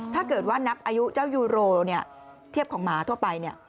ถ้าเกิดว่านับอายุเจ้ายูโรเนี่ยเทียบของหมาทั่วไปเนี่ย